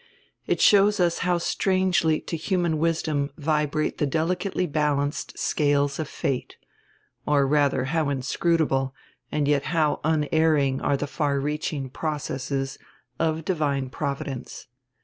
It shows us how strangely to human wisdom vibrate the delicately balanced scales of fate; or rather how inscrutable and yet how unerring are the far reaching processes of divine providence.